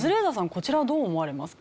こちらはどう思われますか？